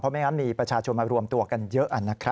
เพราะไม่งั้นมีประชาชนมารวมตัวกันเยอะ